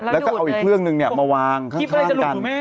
แล้วก็เอาอีกเครื่องนึงมาวางข้างกัน